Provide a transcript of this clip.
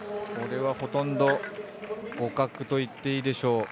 これはほとんど互角と言っていいでしょう。